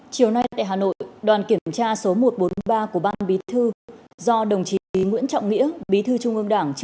chiều nay tại hà nội đoàn kiểm tra số một trăm bốn mươi ba của ban bí thư do đồng chí nguyễn trọng nghĩa bí thư trung ương đảng